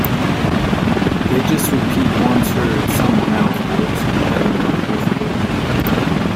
They just repeat once heard someone else words having no proof of it.